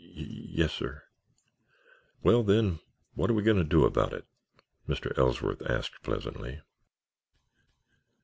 "Ye yes, sir." "Well, then, what are we going to do about it?" Mr. Ellsworth asked pleasantly.